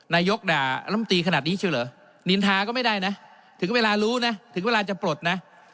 นายกด่าลำตีขนาดนี้เชียวเหรอนินทาก็ไม่ได้นะถึงเวลารู้นะถึงเวลาจะปลดนะ